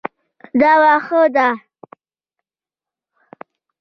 دا واښه ده